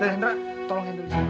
mas nanti hendra tolong hendra disini